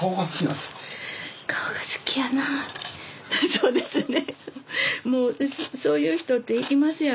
そうですね。